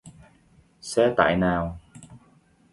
Xe tải nào